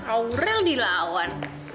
aurel di lawan